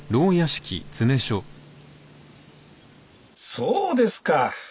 そうですか。